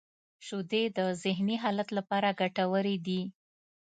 • شیدې د ذهنی حالت لپاره ګټورې دي.